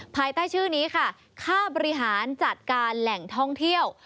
ภายใต้ชื่อนี้ค่ะค่าบริหารจัดการแหล่งท่องเที่ยว